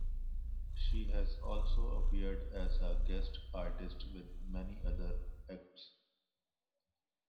She has also appeared as a guest artist with many other acts.